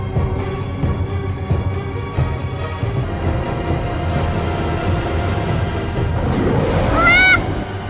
kamu dimana uang kamu dimana uang